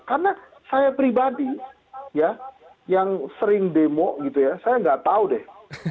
karena saya pribadi ya yang sering demo gitu ya saya tidak tahu deh